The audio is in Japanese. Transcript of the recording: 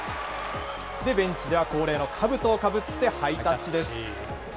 ベンチでは恒例のかぶとをかぶってハイタッチです。